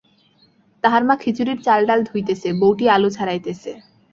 তাহার মা খিচুড়ির চালডাল ধুইতেছে, বৌটি আলু ছাড়াইতেছে।